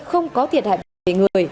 không có thiệt hại bệnh người